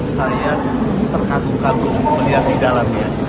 saya terkagum kagum melihat di dalamnya